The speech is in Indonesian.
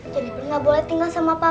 jeniper nggak boleh tinggal sama papa